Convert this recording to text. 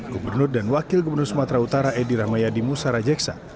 gubernur dan wakil gubernur sumatera utara edi rahmayadi musara jeksa